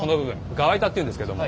側板っていうんですけども。